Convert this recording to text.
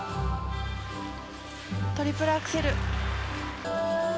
トリプルアクセル。